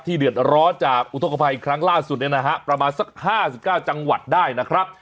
เดือดร้อนจากอุทธกภัยครั้งล่าสุดเนี่ยนะฮะประมาณสัก๕๙จังหวัดได้นะครับ